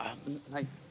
はい。